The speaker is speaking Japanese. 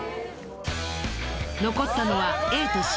残ったのはＡとＣ。